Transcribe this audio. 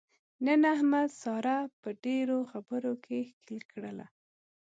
نن احمد ساره په ډېرو خبرو کې ښکېل کړله.